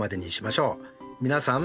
皆さん。